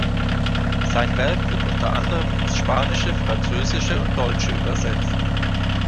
Sein Werk wird unter anderem ins Spanische, Französische und Deutsche übersetzt.